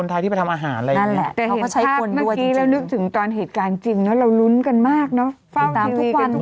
แต่เห็นตราบนั้นแล้วนึกถึงตอนเหตุการณ์จริงเราลุ้นกันมากน้อง